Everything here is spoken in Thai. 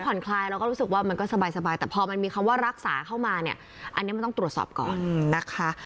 คลายเราก็รู้สึกว่ามันก็สบายแต่พอมันมีคำว่ารักษาเข้ามาเนี่ยอันนี้มันต้องตรวจสอบก่อนนะคะ